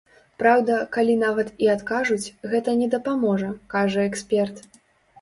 Праўда, калі нават і адкажуць, гэта не дапаможа, кажа эксперт.